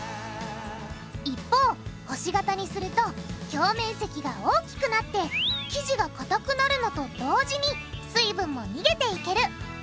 一方星型にすると表面積が大きくなって生地がかたくなるのと同時に水分も逃げていける。